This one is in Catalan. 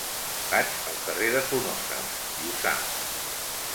Vaig al carrer de Funoses Llussà.